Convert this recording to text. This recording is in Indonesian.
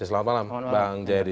selamat malam bang jayadi